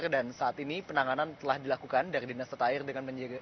dan saat ini penanganan telah dilakukan dari dinaset air dengan menjaga